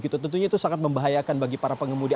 tentunya itu sangat membahayakan bagi para pengemudi